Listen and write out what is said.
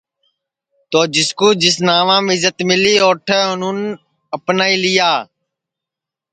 تو جس کُو جس ناوم عزت ملی اوٹھے اُنونے اپنائی لیا